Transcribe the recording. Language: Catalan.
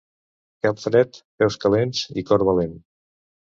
Cap fred, peus calents i cor valent.